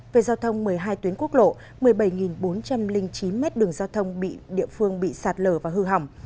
về giao thông một mươi hai tuyến quốc lộ một mươi bảy bốn trăm linh chín mét đường giao thông bị địa phương bị sạt lở và hư hỏng